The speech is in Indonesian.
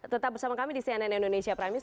tetap bersama kami di cnn indonesia pramil